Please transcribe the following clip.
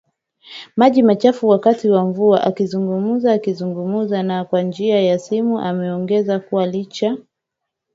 maji machafu wakati wa mvua AkizungumzaAkizungumza na kwa njia ya simu ameongeza kuwa licha